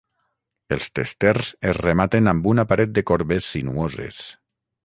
Els testers es rematen amb una paret de corbes sinuoses.